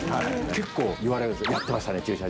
結構言われるんですよ。